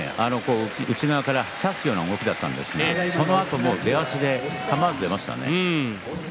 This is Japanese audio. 立ち合いが内側から差すような動きだったんですが、そのあとの出足で、かまわず出ましたね。